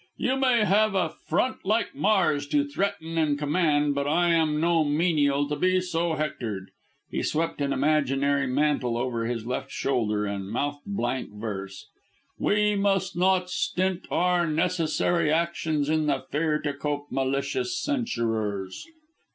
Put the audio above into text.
"You may have a front like Mars to threaten and command, but I am no menial to be so hectored." He swept an imaginary mantle over his left shoulder and mouthed blank verse: "We must not stint Our necessary actions in the fear To cope malicious censurers."